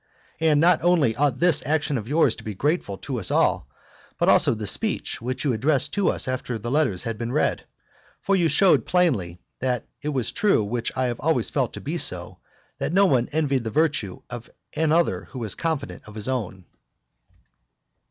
And not only ought this action of yours to be grateful to us all, but also the speech which you addressed to us after the letters had been read. For you showed plainly, that that was true which I have always felt to be so, that no one envied the virtue of another who was confident of his own.